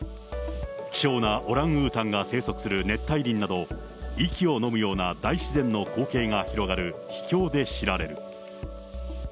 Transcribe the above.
希少なオランウータンが生息する熱帯林など、息をのむような大自然の光景が広がる秘境で知られる。